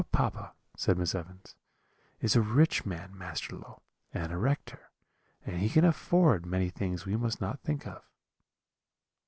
"'Your papa,' said Miss Evans, 'is a rich man, Master Low, and a rector; and he can afford many things we must not think of.'